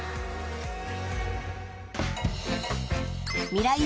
［ミライ☆